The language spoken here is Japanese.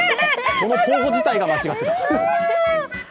その候補自体が間違っていた。